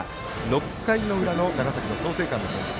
６回の裏の長崎の創成館の攻撃。